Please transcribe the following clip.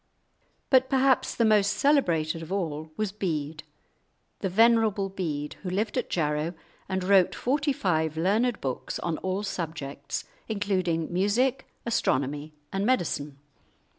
But perhaps the most celebrated of all was Bede, the "Venerable Bede," who lived at Jarrow and wrote forty five learned books on all subjects, including music, astronomy, and medicine.